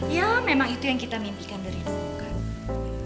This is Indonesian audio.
ya memang itu yang kita mimpikan dari dulu kan